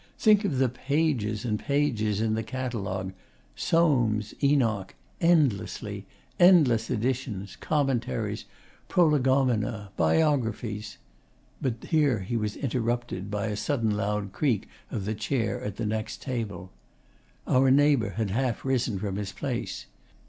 Think of the pages and pages in the catalogue: "SOAMES, ENOCH" endlessly endless editions, commentaries, prolegomena, biographies' but here he was interrupted by a sudden loud creak of the chair at the next table. Our neighbour had half risen from his place.